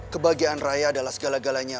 kebahagiaan raya adalah segala galanya